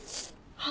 あっ！